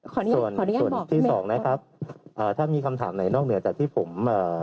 ส่วนส่วนส่วนที่สองนะครับอ่าถ้ามีคำถามไหนนอกเหนือจากที่ผมอ่า